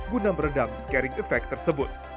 guna meredam scaring effect tersebut